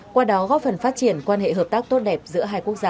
qua đó góp phần phát triển quan hệ hợp tác tốt đẹp giữa hai quốc gia